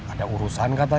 ube ke rumah diza